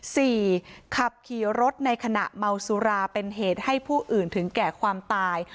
ขับขี่รถในขณะเมาสุราเป็นเหตุให้ผู้อื่นถึงแก่ความตาย